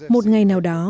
một ngày nào đó